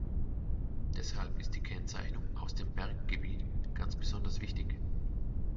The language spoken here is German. Deshalb ist die Kennzeichnung "aus dem Berggebiet" ganz besonders wichtig.